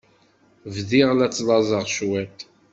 Bdiɣ la ttlaẓeɣ cwiṭ.